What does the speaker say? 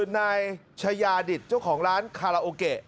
นายชายาดิตเจ้าของร้านคาราโอเกะ